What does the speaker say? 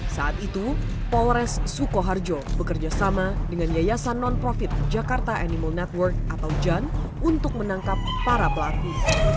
saat itu polres sukoharjo bekerjasama dengan yayasan non profit jakarta animal network atau jan untuk menangkap para pelaku